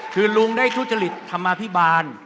คือลุงได้ทุจริตธรรมาภิบาล